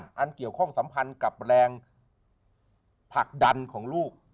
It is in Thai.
อันเกี่ยวข้องสัมพันธ์กับแรงผลักดันของลูก